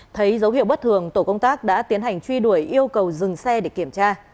thấy dấu hiệu bất thường tổ công tác đã tiến hành truy đuổi yêu cầu dừng xe để kiểm tra